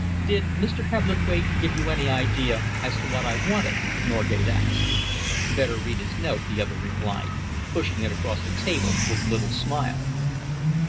"Did Mr. Hebblethwaite give you any idea as to what I wanted?" Norgate asked. "Better read his note," the other replied, pushing it across the table with a little smile.